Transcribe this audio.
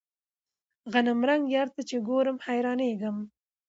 غنمرنګ يار ته چې ګورم حيرانېږم.